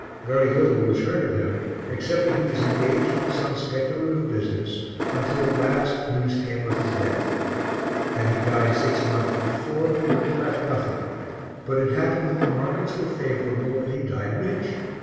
Very little was heard of him, except that he was engaged in some speculative business, until at last news came of his death. Had he died six months before, he would have left nothing, but it happened that the markets were favourable and he died rich.